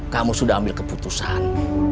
kamu sudah ambil keputusan